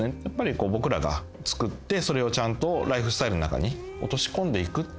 やっぱり僕らがつくってそれをちゃんとライフスタイルの中に落とし込んでいく。